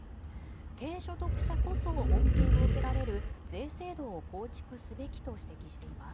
低所得者こそ恩恵を受けられる税制度を構築すべきと指摘しています。